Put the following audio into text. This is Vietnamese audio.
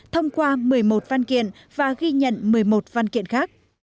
thông qua một mươi một văn kiện và ghi nhận một mươi một văn kiện khác